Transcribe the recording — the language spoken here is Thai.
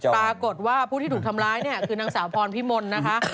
ปรากฏว่าผู้ที่ถูกทำร้ายเนี่ยคือนางสาวพรพิมลนะคะ